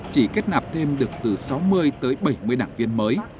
chỉ kết nạp thêm được từ sáu mươi tới bảy mươi đảng viên mới